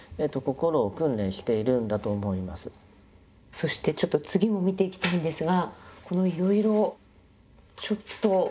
そしてちょっと次も見ていきたいんですがこのいろいろちょっと。